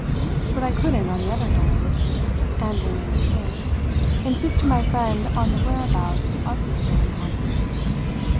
But I couldn't, on the other hand and remain "straight" insist to my friend on the whereabouts of this stolen property.